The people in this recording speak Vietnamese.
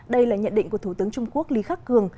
đây là nhận định của thủ tướng trung quốc lý khắc cường